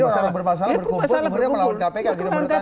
jadi orang yang bermasalah berkumpul kemudian melawan kpk gitu menurut anda